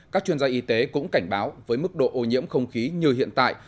các chuyên gia y tế cũng cảnh báo với mức độ ô nhiễm không khí như hiện tại